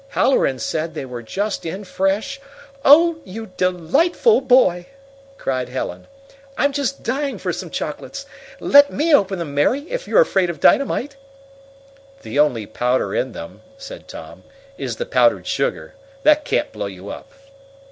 "Halloran said they were just in fresh " "Oh, you delightful boy!" cried Helen. "I'm just dying for some chocolates! Let me open them, Mary, if you're afraid of dynamite." "The only powder in them," said Tom, "is the powdered sugar. That can't blow you up."